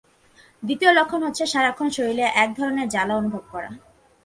দ্বিতীয় লক্ষণ হচ্ছে, সারাক্ষণ শরীরে একধরনের জ্বালা অনুভব করা।